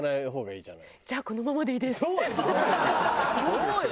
そうよ。